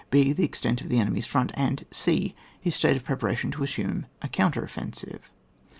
h. The extent of the enemy's front, and e. His state of preparation to assume a counter offensive.